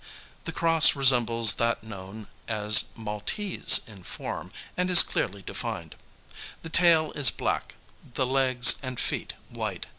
The cross resembles that known as Maltese in form, and is clearly defined. The tail is black, the legs and feet white.